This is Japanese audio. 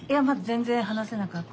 全然話せなかった。